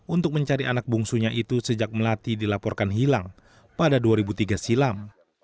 untuk mencari anak bungsunya itu sejak melati dilaporkan hilang pada dua ribu tiga silam